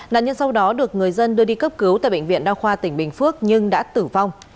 nạn nhân sau đó được người dân đưa đi cấp cứu tại bệnh viện đa khoa tỉnh bình phước nhưng đã tử vong